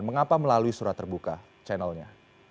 mengapa melalui surat terbuka channelnya